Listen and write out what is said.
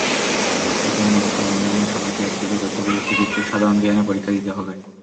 এতে মূলত অনলাইনে সবাইকে একযোগে তথ্য-প্রযুক্তি ভিত্তিক সাধারণ জ্ঞানের পরীক্ষা দিতে হবে।